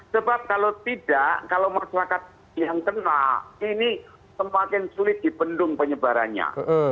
sebab kalau tidak kalau masyarakat yang kena ini semakin sulit dipendung penyebarannya